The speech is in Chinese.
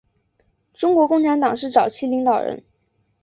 中国共产党早期领导人。